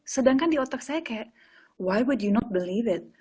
sedangkan di otak saya kayak kenapa kamu tidak percaya